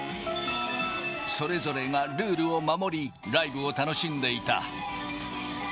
それぞれがルールを守り、ライブを楽しんでいた。